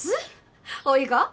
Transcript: おいが？